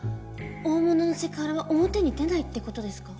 大物のセクハラは表に出ないってことですか？